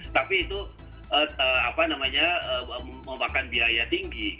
tetapi itu memakan biaya tinggi